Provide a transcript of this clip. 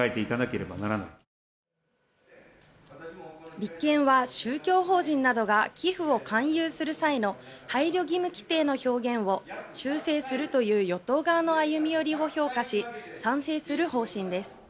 立憲は宗教法人などが寄付を勧誘する際の配慮義務規定の表現を修正するという与党側の歩み寄りを評価し賛成する方針です。